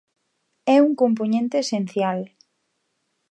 É un compoñente esencial.